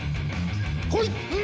来い！